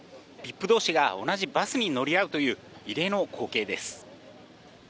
ＶＩＰ同士が同じバスに乗り合うという異例の光景です。